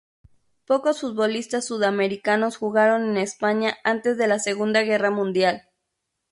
Pocos futbolistas sudamericanos jugaron en España antes de la Segunda Guerra Mundial.